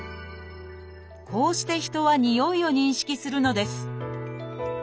こうして人はにおいを認識するのです